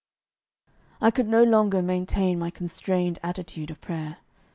I could no longer maintain my constrained attitude of prayer.